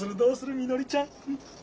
みのりちゃん。